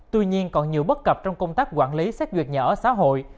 tuy nhiên còn nhiều bất cập trong công tác quản lý xét duyệt nhà ở xã hội